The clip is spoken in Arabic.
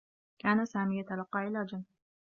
كان سامي يتلقّى علاجا.